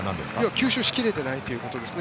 吸収しきれていないということですね。